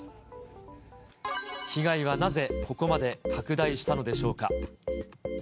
被害はなぜここまで拡大したのでしょうか。